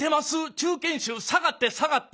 中堅手下がって下がって。